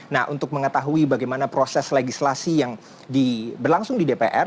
nah untuk mengetahui bagaimana proses legislasi yang berlangsung di dpr